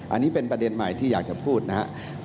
อันนี้เป็นประเด็นใหม่ที่อยากจะพูดนะครับ